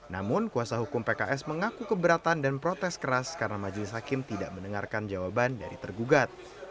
namun kuasa hukum pks mengaku keberatan dan protes keras karena majelis hakim tidak mendengarkan jawaban dari tergugat